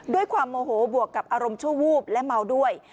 ด้วยความโมโหบวกกับอารมณ์ชั่ววูบและเมาด้วย